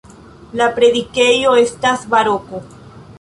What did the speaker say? La predikejo estas baroko.